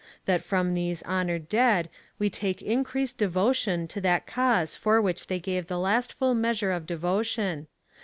. .that from these honored dead we take increased devotion to that cause for which they gave the last full measure of devotion.